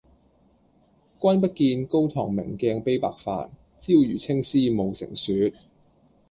君不見高堂明鏡悲白髮，朝如青絲暮成雪